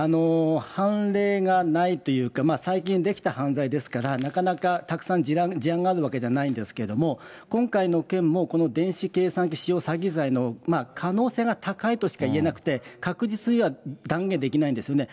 判例がないというか、最近出来た犯罪ですから、なかなかたくさん事案があるわけじゃないんですけれども、今回の件もこの電子計算機使用詐欺罪の可能性が高いとしか言えなくて、確実には断言できないんですよね。